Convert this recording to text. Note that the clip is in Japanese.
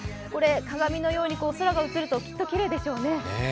鏡のように空が映るときっときれいでしょうね。